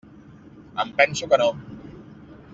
Em penso que no.